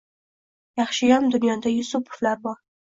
Yaxshiyam dunyoda Yusupovlar bor